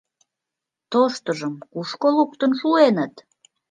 Тоштыжым кушко луктын шуэныт?